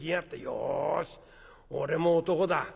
よし俺も男だ。